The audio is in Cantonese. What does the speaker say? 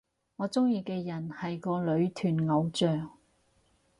我鍾意嘅人係個女團偶像